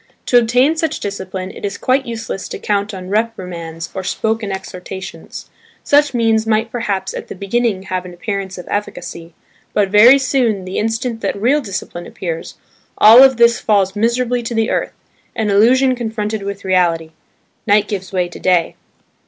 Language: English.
To obtain such discipline it is quite useless to count on reprimands or spoken exhortations. Such means might perhaps at the beginning have an appearance of efficacy: but very soon, the instant that real discipline appears, all of this falls miserably to the earth, an illusion confronted with reality–"night gives way to day."